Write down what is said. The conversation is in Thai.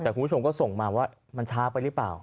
แต่คุณผู้ชมก็ส่งมาว่ามันช้าไปหรือเปล่า